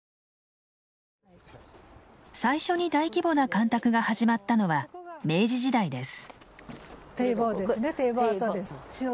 最初に大規模な干拓が始まったのは明治時代です。